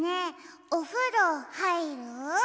おふろはいる？